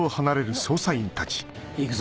行くぞ！